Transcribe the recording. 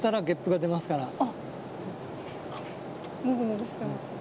もぐもぐしてますね。